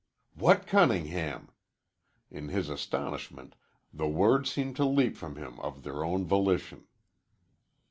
"What Cunningham?" In his astonishment the words seemed to leap from him of their own volition.